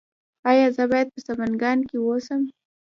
ایا زه باید په سمنګان کې اوسم؟